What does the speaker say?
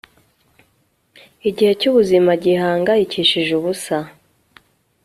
igihe cyubuzima gihangayikishije ubusa